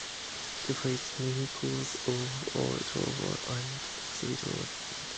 Jeffrey, the main cause of all the trouble, learns absolutely nothing.